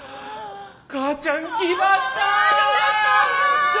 母ちゃんぎばった！